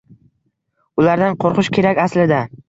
Ulardan qoʻrqish kerak aslida.